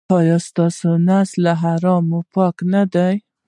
ایا ستاسو نس له حرامو پاک نه دی؟